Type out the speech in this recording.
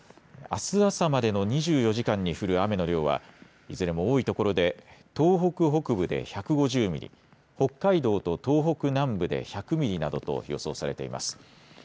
あす朝までの２４時間に降る雨の量は、いずれも多い所で、東北北部で１５０ミリ、北海道と東北南部で１００ミリなどと予想されています。